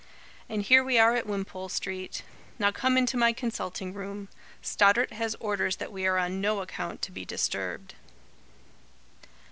And here we are at Wimpole Street. Now come into my consulting room. Stoddart has orders that we are on no account to be disturbed."